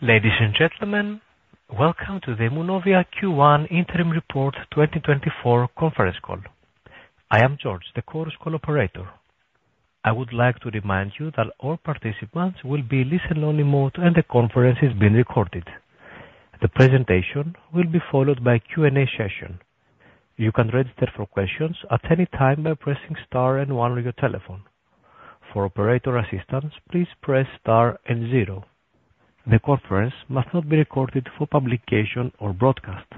Ladies and gentlemen, welcome to the Immunovia Q1 Interim Report 2024 Conference Call. I am George, the Chorus Call operator. I would like to remind you that all participants will be in listen-only mode, and the conference is being recorded. The presentation will be followed by a Q&A session. You can register for questions at any time by pressing star and one on your telephone. For operator assistance, please press star and zero. The conference must not be recorded for publication or broadcast.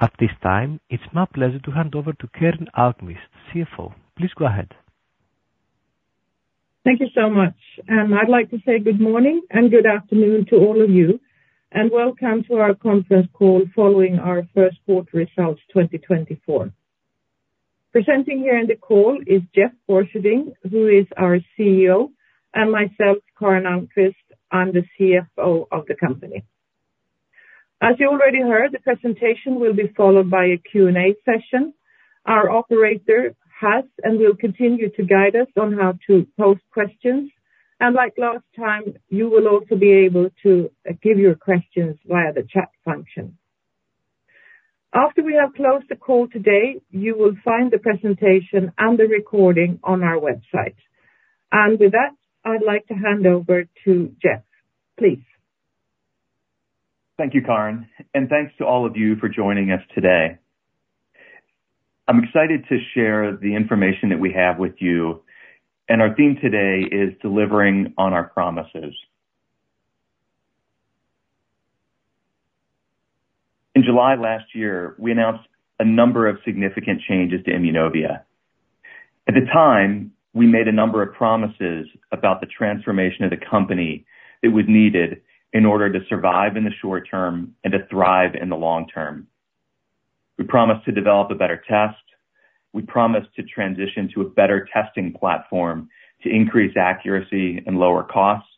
At this time, it's my pleasure to hand over to Karin Almqvist, CFO. Please go ahead. Thank you so much, and I'd like to say good morning and good afternoon to all of you, and welcome to our conference call following our first quarter results 2024. Presenting here on the call is Jeff Borcherding, who is our CEO, and myself, Karin Almqvist, I'm the CFO of the company. As you already heard, the presentation will be followed by a Q&A session. Our operator has and will continue to guide us on how to pose questions, and like last time, you will also be able to give your questions via the chat function. After we have closed the call today, you will find the presentation and the recording on our website. And with that, I'd like to hand over to Jeff, please. Thank you, Karin, and thanks to all of you for joining us today. I'm excited to share the information that we have with you, and our theme today is delivering on our promises. In July last year, we announced a number of significant changes to Immunovia. At the time, we made a number of promises about the transformation of the company that was needed in order to survive in the short term and to thrive in the long term. We promised to develop a better test. We promised to transition to a better testing platform to increase accuracy and lower costs.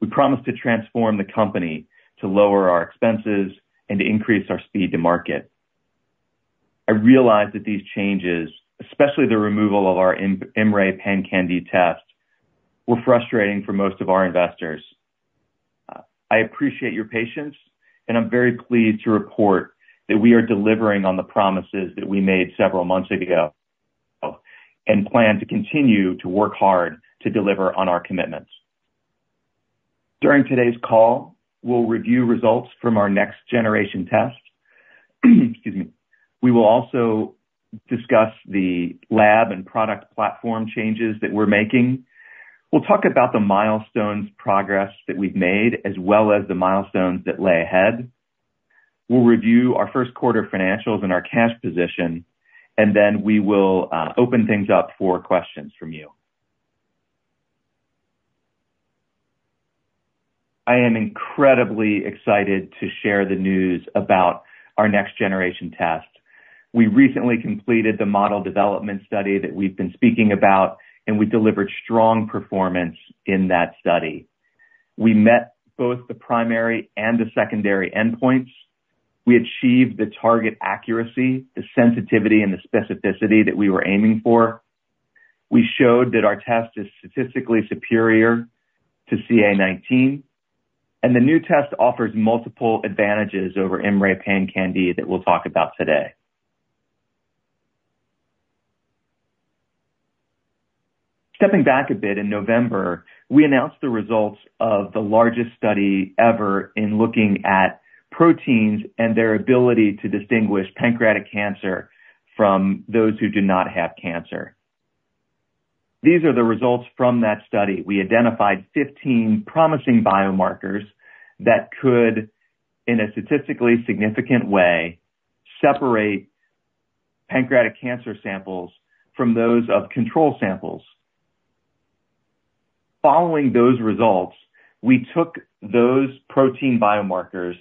We promised to transform the company to lower our expenses and to increase our speed to market. I realize that these changes, especially the removal of our IMMray PanCan-d test, were frustrating for most of our investors. I appreciate your patience, and I'm very pleased to report that we are delivering on the promises that we made several months ago, and plan to continue to work hard to deliver on our commitments. During today's call, we'll review results from our next generation test. Excuse me. We will also discuss the lab and product platform changes that we're making. We'll talk about the milestones progress that we've made, as well as the milestones that lay ahead. We'll review our first quarter financials and our cash position, and then we will open things up for questions from you. I am incredibly excited to share the news about our next generation test. We recently completed the model development study that we've been speaking about, and we delivered strong performance in that study. We met both the primary and the secondary endpoints. We achieved the target accuracy, the sensitivity and the specificity that we were aiming for. We showed that our test is statistically superior to CA19-9, and the new test offers multiple advantages over IMMray PanCan-d that we'll talk about today. Stepping back a bit, in November, we announced the results of the largest study ever in looking at proteins and their ability to distinguish pancreatic cancer from those who do not have cancer. These are the results from that study. We identified 15 promising biomarkers that could, in a statistically significant way, separate pancreatic cancer samples from those of control samples. Following those results, we took those protein biomarkers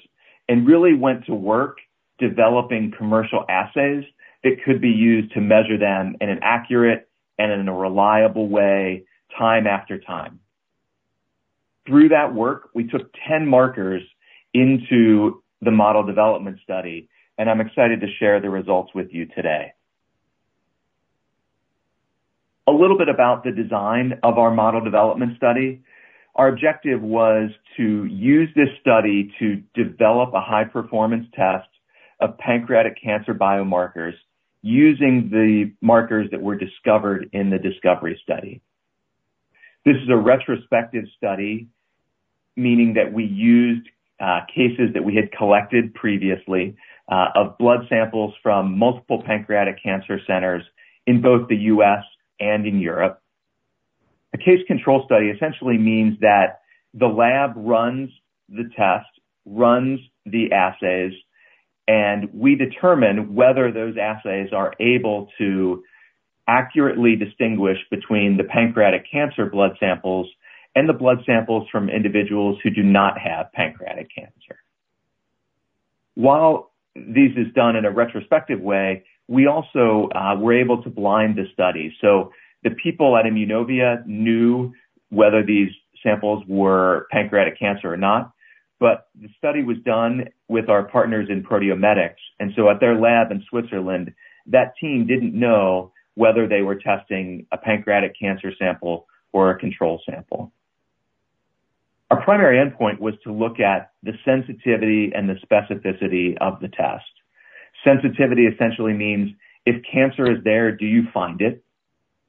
and really went to work developing commercial assays that could be used to measure them in an accurate and in a reliable way, time after time. Through that work, we took 10 markers into the model development study, and I'm excited to share the results with you today. A little bit about the design of our model development study. Our objective was to use this study to develop a high-performance test of pancreatic cancer biomarkers using the markers that were discovered in the discovery study. This is a retrospective study, meaning that we used cases that we had collected previously of blood samples from multiple pancreatic cancer centers in both the U.S. and in Europe. A case-control study essentially means that the lab runs the test, runs the assays, and we determine whether those assays are able to accurately distinguish between the pancreatic cancer blood samples and the blood samples from individuals who do not have pancreatic cancer. While this is done in a retrospective way, we also were able to blind the study. So the people at Immunovia knew whether these samples were pancreatic cancer or not. But the study was done with our partners in Proteomedix. And so at their lab in Switzerland, that team didn't know whether they were testing a pancreatic cancer sample or a control sample. Our primary endpoint was to look at the sensitivity and the specificity of the test. Sensitivity essentially means if cancer is there, do you find it?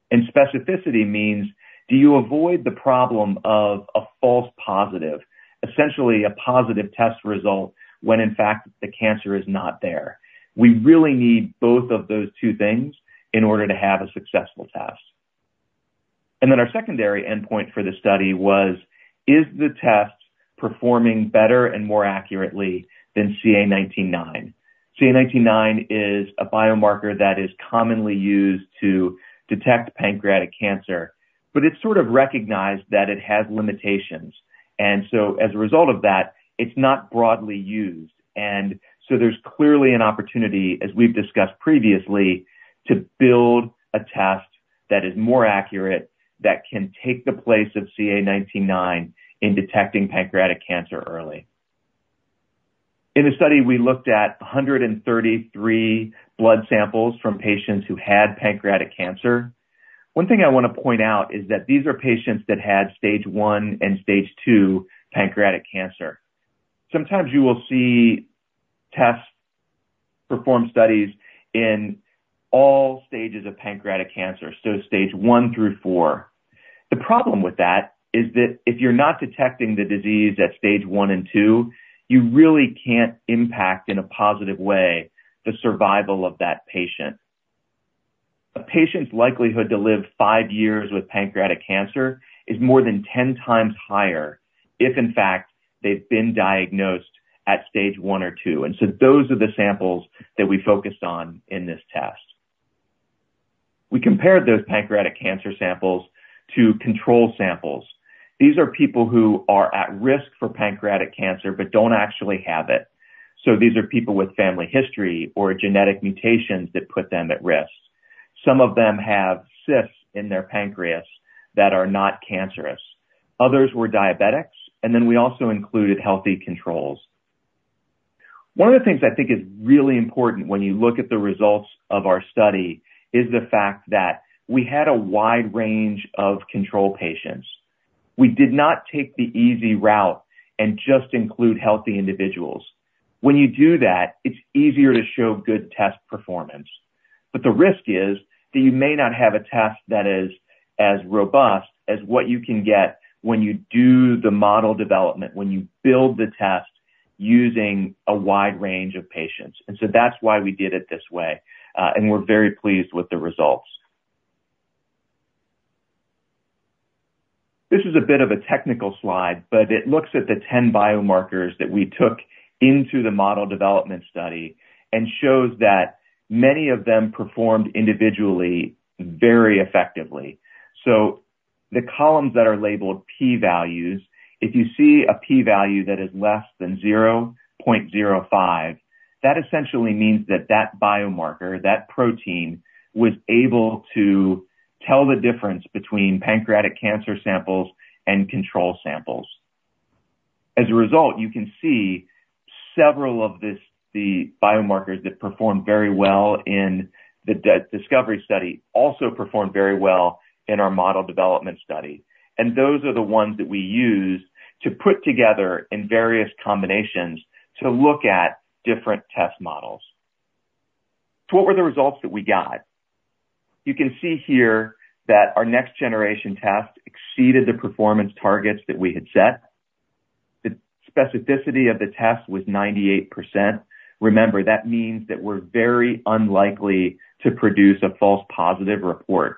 And specificity means, do you avoid the problem of a false positive, essentially a positive test result, when in fact, the cancer is not there. We really need both of those two things in order to have a successful test. And then our secondary endpoint for the study was, is the test performing better and more accurately than CA19-9? CA19-9 is a biomarker that is commonly used to detect pancreatic cancer, but it's sort of recognized that it has limitations, and so as a result of that, it's not broadly used. So there's clearly an opportunity, as we've discussed previously, to build a test that is more accurate, that can take the place of CA19-9 in detecting pancreatic cancer early. In the study, we looked at 133 blood samples from patients who had pancreatic cancer. One thing I want to point out is that these are patients that had stage 1 and stage 2 pancreatic cancer. Sometimes you will see tests perform studies in all stages of pancreatic cancer, so stage 1 through 4. The problem with that is that if you're not detecting the disease at stage 1 and 2, you really can't impact, in a positive way, the survival of that patient. A patient's likelihood to live five years with pancreatic cancer is more than 10x higher if, in fact, they've been diagnosed at stage one or two. And so those are the samples that we focused on in this test. We compared those pancreatic cancer samples to control samples. These are people who are at risk for pancreatic cancer but don't actually have it. So these are people with family history or genetic mutations that put them at risk. Some of them have cysts in their pancreas that are not cancerous. Others were diabetics, and then we also included healthy controls. One of the things I think is really important when you look at the results of our study is the fact that we had a wide range of control patients. We did not take the easy route and just include healthy individuals. When you do that, it's easier to show good test performance, but the risk is that you may not have a test that is as robust as what you can get when you do the model development, when you build the test using a wide range of patients. And so that's why we did it this way, and we're very pleased with the results. This is a bit of a technical slide, but it looks at the 10 biomarkers that we took into the model development study and shows that many of them performed individually, very effectively. So the columns that are labeled P values, if you see a P value that is less than 0.05, that essentially means that that biomarker, that protein, was able to tell the difference between pancreatic cancer samples and control samples. As a result, you can see several of these, the biomarkers that performed very well in the discovery study, also performed very well in our model development study. And those are the ones that we use to put together in various combinations to look at different test models. So what were the results that we got? You can see here that our next generation test exceeded the performance targets that we had set. The specificity of the test was 98%. Remember, that means that we're very unlikely to produce a false positive report.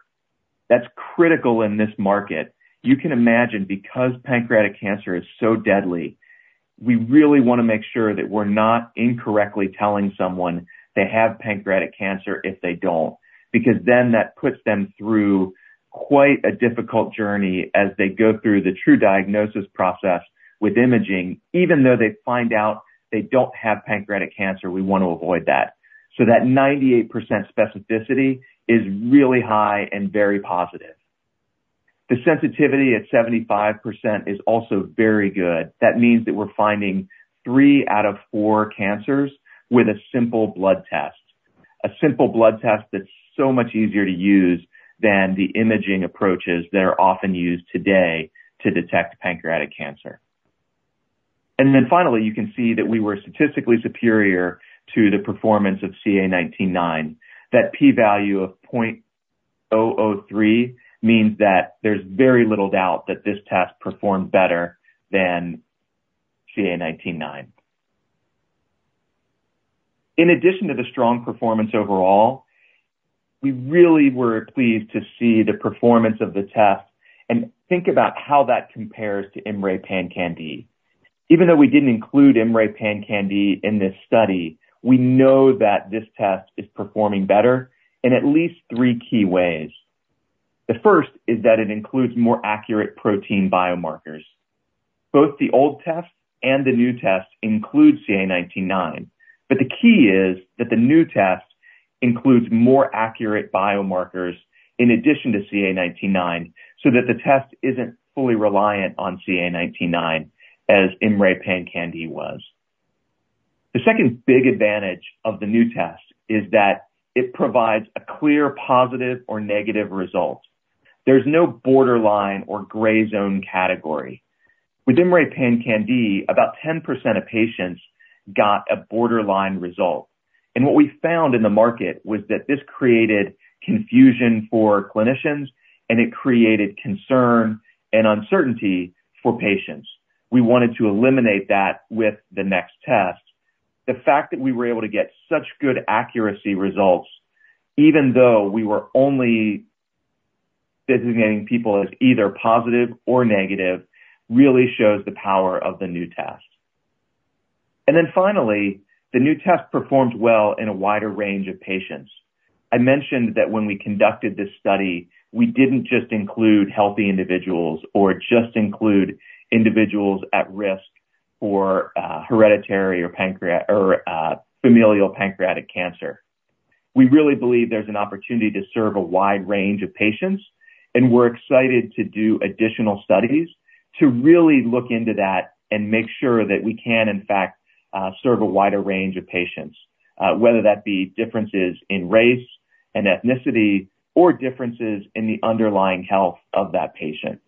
That's critical in this market. You can imagine, because pancreatic cancer is so deadly, we really want to make sure that we're not incorrectly telling someone they have pancreatic cancer if they don't, because then that puts them through quite a difficult journey as they go through the true diagnosis process with imaging. Even though they find out they don't have pancreatic cancer, we want to avoid that. So that 98% specificity is really high and very positive. The sensitivity at 75% is also very good. That means that we're finding three out of four cancers with a simple blood test, a simple blood test that's so much easier to use than the imaging approaches that are often used today to detect pancreatic cancer. And then finally, you can see that we were statistically superior to the performance of CA19-9. That P value of 0.003 means that there's very little doubt that this test performed better than CA19-9. In addition to the strong performance overall, we really were pleased to see the performance of the test and think about how that compares to IMMray PanCan-d. Even though we didn't include IMMray PanCan-d in this study, we know that this test is performing better in at least three key ways. The first is that it includes more accurate protein biomarkers. Both the old test and the new test include CA19-9, but the key is that the new test includes more accurate biomarkers in addition to CA19-9, so that the test isn't fully reliant on CA19-9, as IMMray PanCan-d was. The second big advantage of the new test is that it provides a clear, positive or negative result. There's no borderline or gray zone category. With IMMray PanCan-d, about 10% of patients got a borderline result, and what we found in the market was that this created confusion for clinicians, and it created concern and uncertainty for patients. We wanted to eliminate that with the next test. The fact that we were able to get such good accuracy results, even though we were only designating people as either positive or negative, really shows the power of the new test. And then finally, the new test performs well in a wider range of patients. I mentioned that when we conducted this study, we didn't just include healthy individuals or just include individuals at risk for hereditary or familial pancreatic cancer. We really believe there's an opportunity to serve a wide range of patients, and we're excited to do additional studies to really look into that and make sure that we can, in fact, serve a wider range of patients, whether that be differences in race and ethnicity or differences in the underlying health of that patient.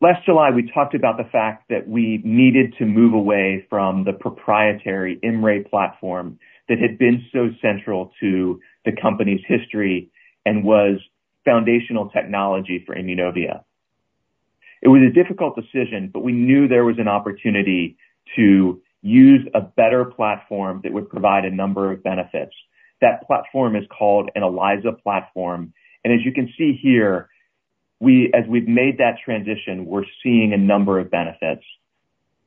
Last July, we talked about the fact that we needed to move away from the proprietary IMMray platform that had been so central to the company's history and was foundational technology for Immunovia. It was a difficult decision, but we knew there was an opportunity to use a better platform that would provide a number of benefits. That platform is called an ELISA platform, and as you can see here, we, as we've made that transition, we're seeing a number of benefits.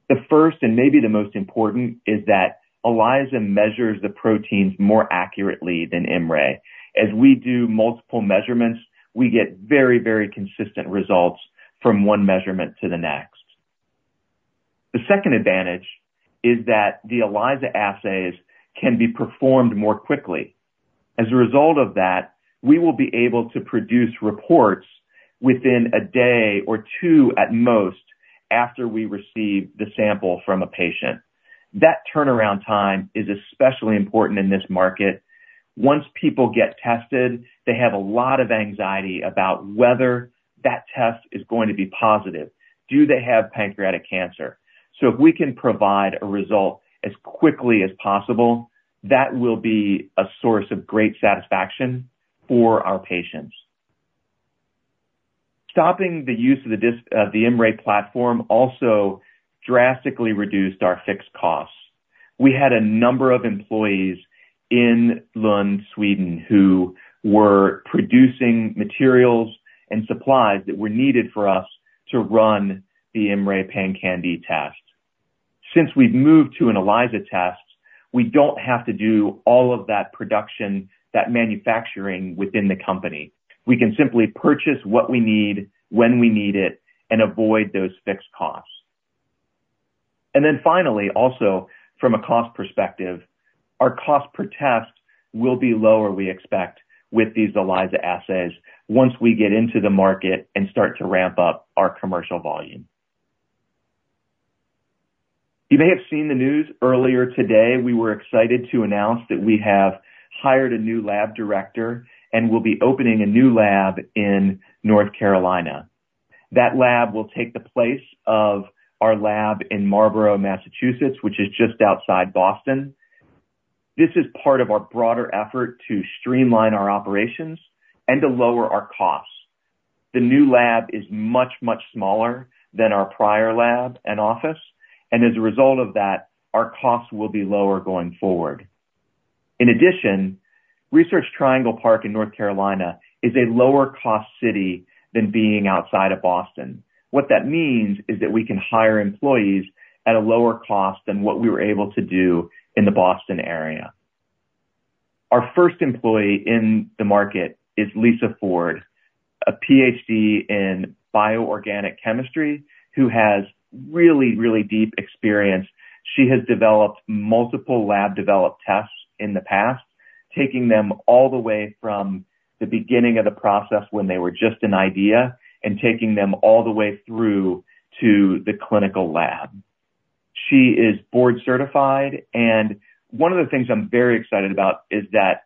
The first, and maybe the most important, is that ELISA measures the proteins more accurately than IMMray. As we do multiple measurements, we get very, very consistent results from one measurement to the next. The second advantage is that the ELISA assays can be performed more quickly. As a result of that, we will be able to produce reports within a day or two at most, after we receive the sample from a patient. That turnaround time is especially important in this market. Once people get tested, they have a lot of anxiety about whether that test is going to be positive. Do they have pancreatic cancer? So if we can provide a result as quickly as possible, that will be a source of great satisfaction for our patients. Stopping the use of the IMMray platform also drastically reduced our fixed costs. We had a number of employees in Lund, Sweden, who were producing materials and supplies that were needed for us to run the IMMray PanCan-d test. Since we've moved to an ELISA test, we don't have to do all of that production, that manufacturing within the company. We can simply purchase what we need, when we need it and avoid those fixed costs. And then finally, also, from a cost perspective, our cost per test will be lower, we expect, with these ELISA assays, once we get into the market and start to ramp up our commercial volume. You may have seen the news earlier today, we were excited to announce that we have hired a new lab director and will be opening a new lab in North Carolina. That lab will take the place of our lab in Marlborough, Massachusetts, which is just outside Boston. This is part of our broader effort to streamline our operations and to lower our costs. The new lab is much, much smaller than our prior lab and office, and as a result of that, our costs will be lower going forward. In addition, Research Triangle Park in North Carolina is a lower-cost city than being outside of Boston. What that means is that we can hire employees at a lower cost than what we were able to do in the Boston area. Our first employee in the market is Lisa Ford, a Ph.D. in bioorganic chemistry, who has really, really deep experience. She has developed multiple lab-developed tests in the past, taking them all the way from the beginning of the process when they were just an idea, and taking them all the way through to the clinical lab. She is board certified, and one of the things I'm very excited about is that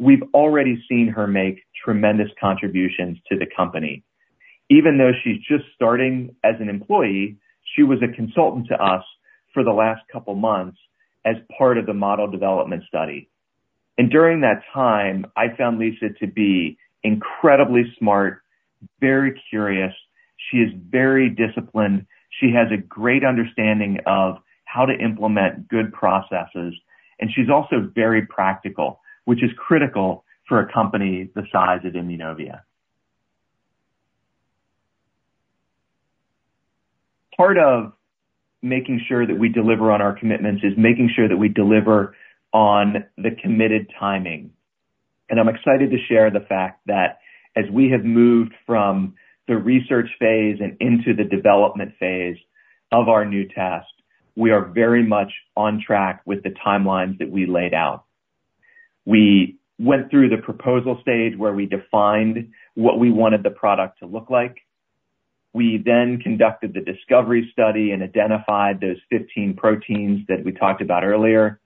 we've already seen her make tremendous contributions to the company. Even though she's just starting as an employee, she was a consultant to us for the last couple months as part of the model development study. During that time, I found Lisa to be incredibly smart, very curious. She is very disciplined. She has a great understanding of how to implement good processes, and she's also very practical, which is critical for a company the size of Immunovia. Part of making sure that we deliver on our commitments is making sure that we deliver on the committed timing. I'm excited to share the fact that as we have moved from the research phase and into the development phase of our new test, we are very much on track with the timelines that we laid out. We went through the proposal stage, where we defined what we wanted the product to look like. We then conducted the discovery study and identified those 15 proteins that we talked about earlier.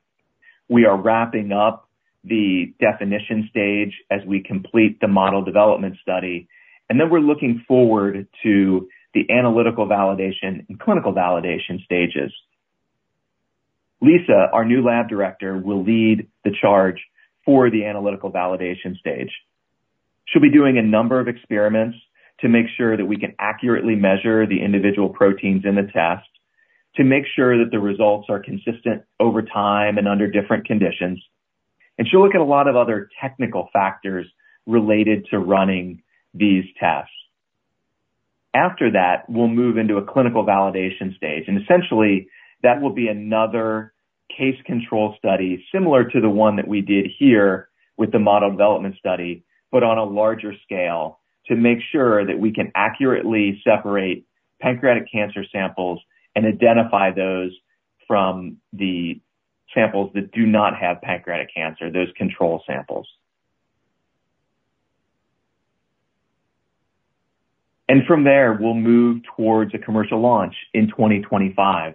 We are wrapping up the definition stage as we complete the model development study, and then we're looking forward to the analytical validation and clinical validation stages. Lisa, our new lab director, will lead the charge for the analytical validation stage. She'll be doing a number of experiments to make sure that we can accurately measure the individual proteins in the test, to make sure that the results are consistent over time and under different conditions. And she'll look at a lot of other technical factors related to running these tests. After that, we'll move into a clinical validation stage, and essentially, that will be another case-control study, similar to the one that we did here with the model development study, but on a larger scale, to make sure that we can accurately separate pancreatic cancer samples and identify those from the samples that do not have pancreatic cancer, those control samples. From there, we'll move towards a commercial launch in 2025.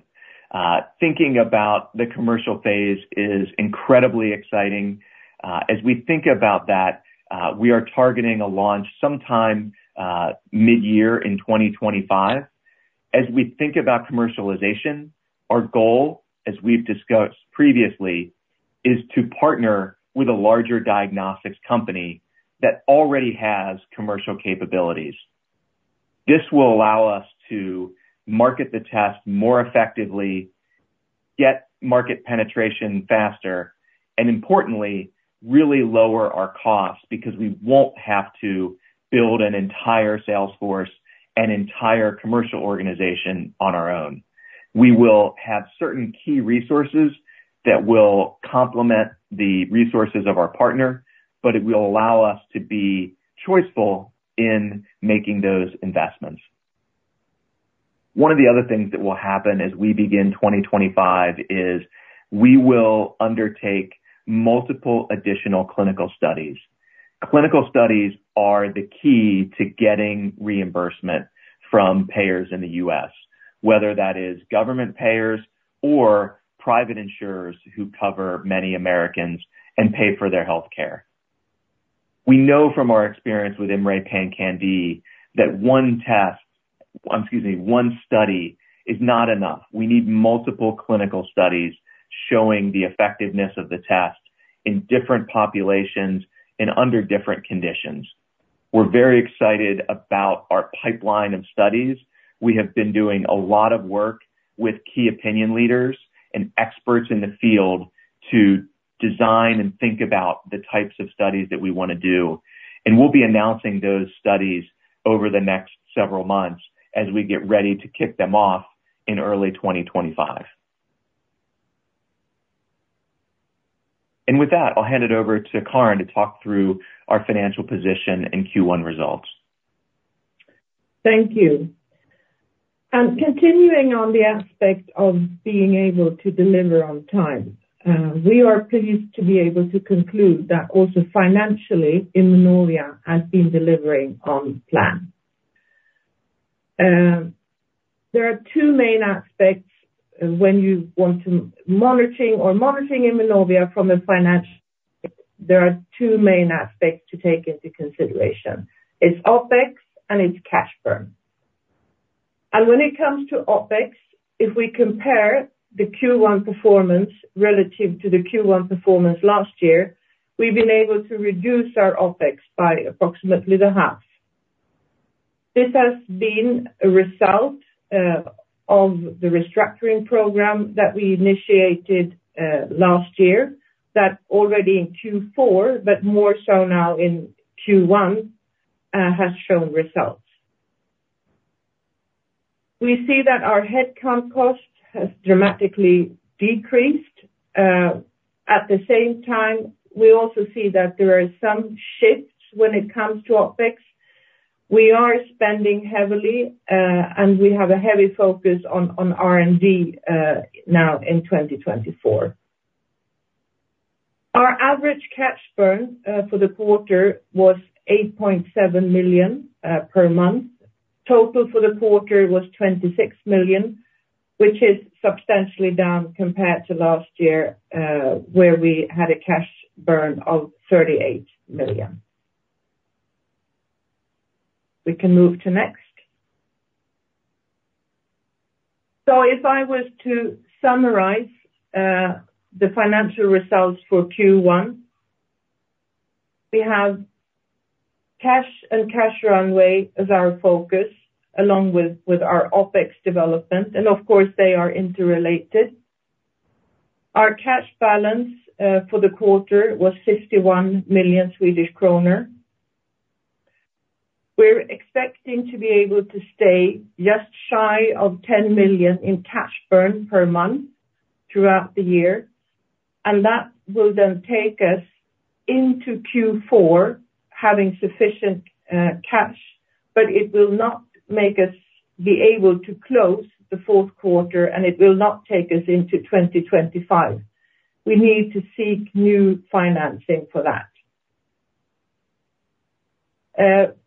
Thinking about the commercial phase is incredibly exciting. As we think about that, we are targeting a launch sometime midyear in 2025. As we think about commercialization, our goal, as we've discussed previously, is to partner with a larger diagnostics company that already has commercial capabilities. This will allow us to market the test more effectively, get market penetration faster, and importantly, really lower our costs, because we won't have to build an entire sales force and entire commercial organization on our own. We will have certain key resources that will complement the resources of our partner, but it will allow us to be choiceful in making those investments. One of the other things that will happen as we begin 2025 is we will undertake multiple additional clinical studies. Clinical studies are the key to getting reimbursement from payers in the U.S., whether that is government payers or private insurers who cover many Americans and pay for their healthcare. We know from our experience with IMMray PanCan-d that one test, excuse me, one study is not enough. We need multiple clinical studies showing the effectiveness of the test in different populations and under different conditions. We're very excited about our pipeline of studies. We have been doing a lot of work with key opinion leaders and experts in the field to design and think about the types of studies that we want to do. We'll be announcing those studies over the next several months as we get ready to kick them off in early 2025. With that, I'll hand it over to Karin to talk through our financial position and Q1 results. Thank you. Continuing on the aspect of being able to deliver on time, we are pleased to be able to conclude that also financially, Immunovia has been delivering on plan. There are two main aspects when you want to monitoring Immunovia from a financial, there are two main aspects to take into consideration. It's OpEx and it's cash burn. When it comes to OpEx, if we compare the Q1 performance relative to the Q1 performance last year, we've been able to reduce our OpEx by approximately the half. This has been a result of the restructuring program that we initiated last year, that already in Q4, but more so now in Q1, has shown results. We see that our headcount cost has dramatically decreased. At the same time, we also see that there are some shifts when it comes to OpEx. We are spending heavily, and we have a heavy focus on, on R&D, now in 2024. Our average cash burn for the quarter was 8.7 million per month. Total for the quarter was 26 million, which is substantially down compared to last year, where we had a cash burn of 38 million. We can move to next. So if I was to summarize, the financial results for Q1, we have cash and cash runway as our focus, along with, with our OpEx development, and of course, they are interrelated. Our cash balance for the quarter was 61 million Swedish kronor. We're expecting to be able to stay just shy of 10 million in cash burn per month throughout the year, and that will then take us into Q4, having sufficient cash, but it will not make us be able to close the fourth quarter, and it will not take us into 2025. We need to seek new financing for that.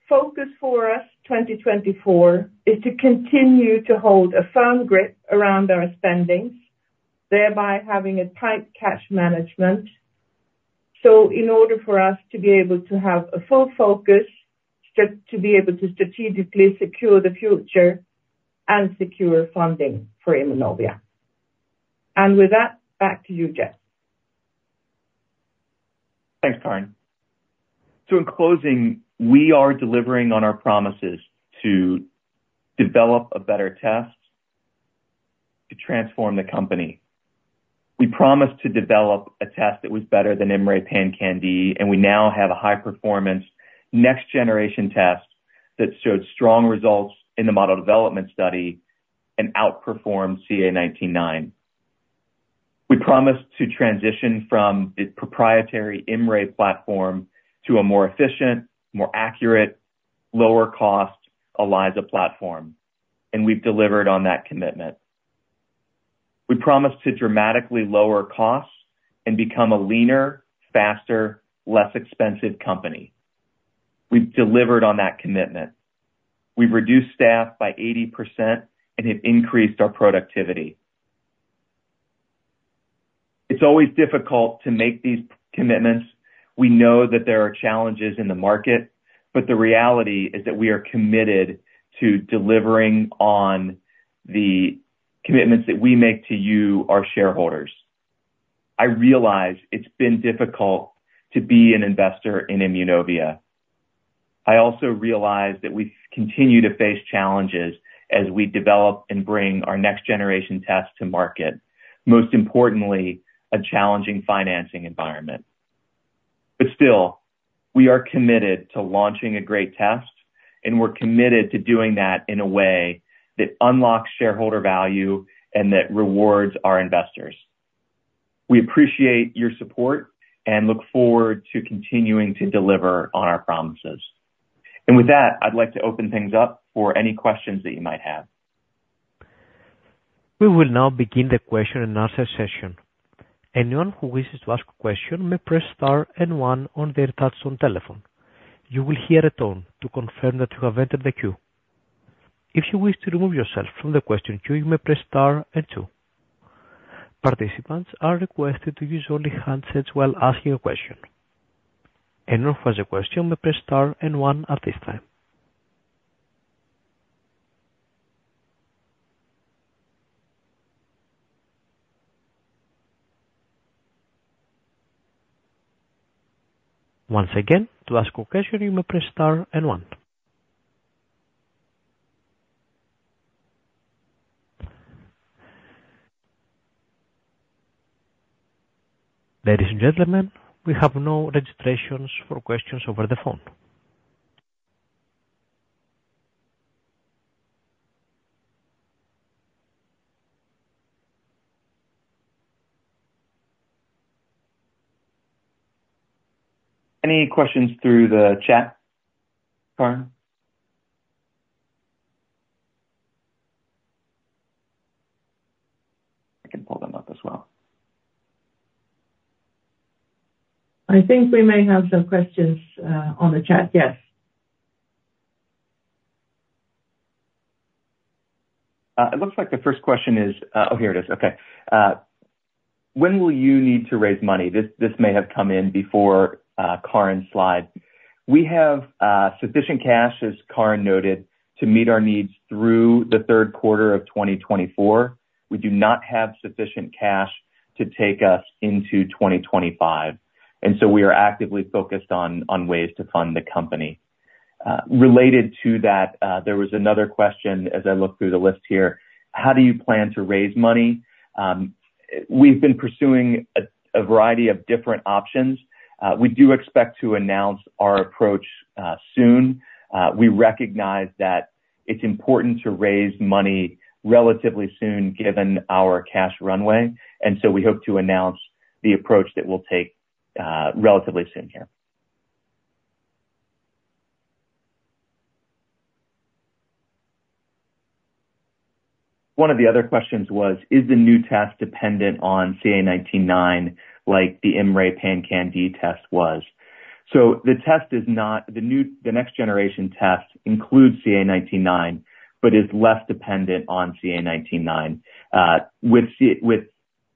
Focus for us, 2024, is to continue to hold a firm grip around our spendings, thereby having a tight cash management. So in order for us to be able to have a full focus, just to be able to strategically secure the future and secure funding for Immunovia. And with that, back to you, Jeff. Thanks, Karin. So in closing, we are delivering on our promises to develop a better test, to transform the company. We promised to develop a test that was better than IMMray PanCan-d, and we now have a high-performance, next-generation test that showed strong results in the model development study and outperformed CA19-9. We promised to transition from a proprietary IMMray platform to a more efficient, more accurate, lower cost ELISA platform, and we've delivered on that commitment. We promised to dramatically lower costs and become a leaner, faster, less expensive company. We've delivered on that commitment. We've reduced staff by 80% and have increased our productivity. It's always difficult to make these commitments. We know that there are challenges in the market, but the reality is that we are committed to delivering on the commitments that we make to you, our shareholders. I realize it's been difficult to be an investor in Immunovia. I also realize that we continue to face challenges as we develop and bring our next-generation test to market, most importantly, a challenging financing environment. But still, we are committed to launching a great test, and we're committed to doing that in a way that unlocks shareholder value and that rewards our investors. We appreciate your support and look forward to continuing to deliver on our promises. And with that, I'd like to open things up for any questions that you might have. We will now begin the question and answer session. Anyone who wishes to ask a question may press star and one on their touch tone telephone. You will hear a tone to confirm that you have entered the queue. If you wish to remove yourself from the question queue, you may press star and two. Participants are requested to use only handsets while asking a question. Anyone who has a question may press star and one at this time. Once again, to ask a question, you may press star and one. Ladies and gentlemen, we have no registrations for questions over the phone. Any questions through the chat, Karin? I can pull them up as well. I think we may have some questions on the chat. Yes. It looks like the first question is, oh, here it is. Okay. When will you need to raise money? This, this may have come in before, Karin's slide. We have sufficient cash, as Karin noted, to meet our needs through the third quarter of 2024. We do not have sufficient cash to take us into 2025, and so we are actively focused on ways to fund the company. Related to that, there was another question as I look through the list here: How do you plan to raise money? We've been pursuing a variety of different options. We do expect to announce our approach soon. We recognize that it's important to raise money relatively soon, given our cash runway, and so we hope to announce the approach that we'll take relatively soon here. One of the other questions was: Is the new test dependent on CA19-9, like the IMMray PanCan-d test was? So the next-generation test includes CA19-9, but is less dependent on CA19-9. With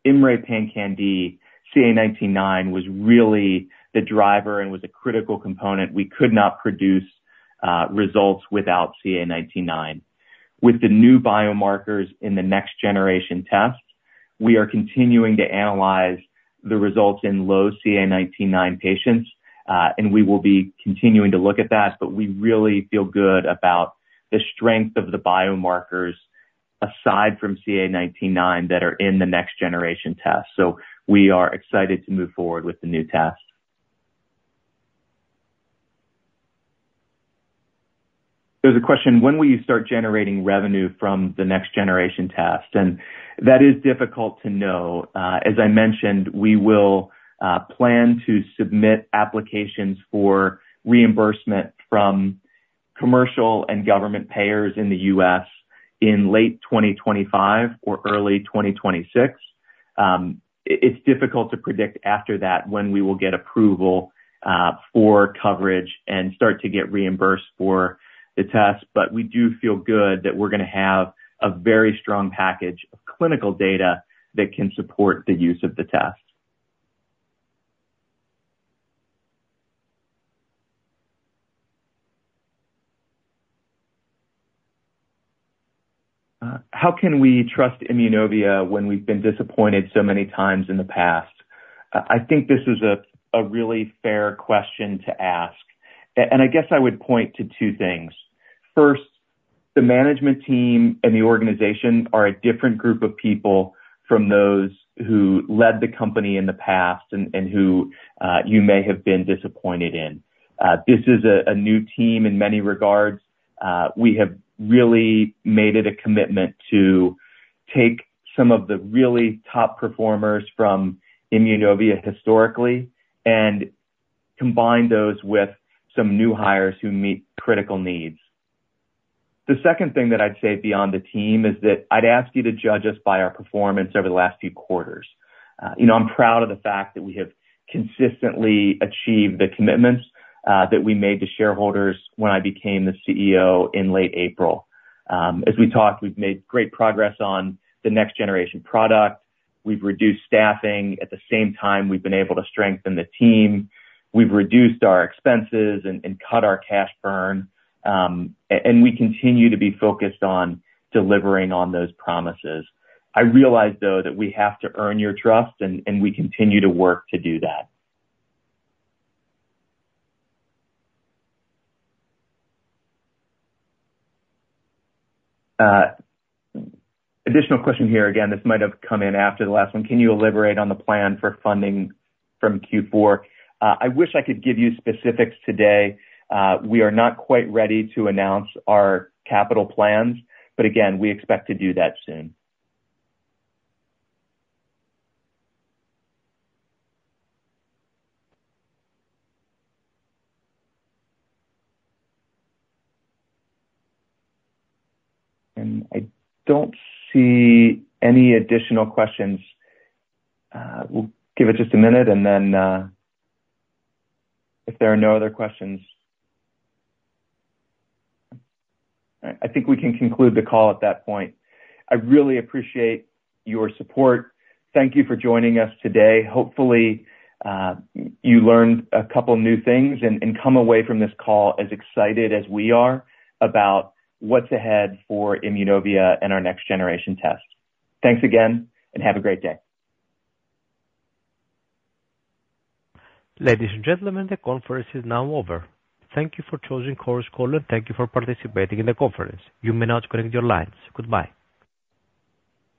IMMray PanCan-d, CA19-9 was really the driver and was a critical component. We could not produce results without CA19-9. With the new biomarkers in the next-generation test, we are continuing to analyze the results in low CA19-9 patients, and we will be continuing to look at that, but we really feel good about the strength of the biomarkers aside from CA19-9 that are in the next generation test. So we are excited to move forward with the new test. There's a question: When will you start generating revenue from the next generation test? And that is difficult to know. As I mentioned, we will plan to submit applications for reimbursement from commercial and government payers in the U.S. in late 2025 or early 2026. It's difficult to predict after that when we will get approval for coverage and start to get reimbursed for the test. But we do feel good that we're gonna have a very strong package of clinical data that can support the use of the test. How can we trust Immunovia when we've been disappointed so many times in the past? I think this is a really fair question to ask, and I guess I would point to two things. First, the management team and the organization are a different group of people from those who led the company in the past and who you may have been disappointed in. This is a new team in many regards. We have really made it a commitment to take some of the really top performers from Immunovia historically and combine those with some new hires who meet critical needs. The second thing that I'd say beyond the team is that I'd ask you to judge us by our performance over the last few quarters. You know, I'm proud of the fact that we have consistently achieved the commitments that we made to shareholders when I became the CEO in late April. As we talked, we've made great progress on the next generation product. We've reduced staffing. At the same time, we've been able to strengthen the team. We've reduced our expenses and cut our cash burn, and we continue to be focused on delivering on those promises. I realize, though, that we have to earn your trust, and we continue to work to do that. Additional question here. Again, this might have come in after the last one. Can you elaborate on the plan for funding from Q4? I wish I could give you specifics today. We are not quite ready to announce our capital plans, but again, we expect to do that soon. And I don't see any additional questions. We'll give it just a minute, and then, if there are no other questions. I think we can conclude the call at that point. I really appreciate your support. Thank you for joining us today. Hopefully, you learned a couple new things and come away from this call as excited as we are about what's ahead for Immunovia and our next generation test. Thanks again, and have a great day. Ladies and gentlemen, the conference is now over. Thank you for choosing Chorus Call, and thank you for participating in the conference. You may now disconnect your lines. Goodbye.